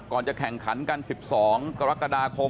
ก่อนจะแข่งขันกัน๑๒กรกฎาคม